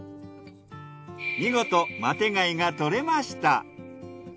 見事マテガイが獲れました。